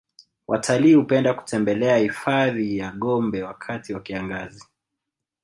watalii hupenda kutembelea hifadhi ya gombe wakati wa kiangazi